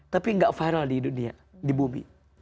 tapi tidak viral di dunia di bumi